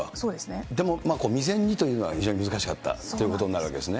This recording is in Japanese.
でも未然にというのは、非常に難しかったということになるわけですね。